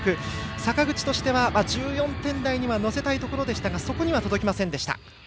坂口としては１４点台に乗せたいところでしたがそこには届きませんでした。